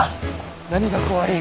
何が怖い？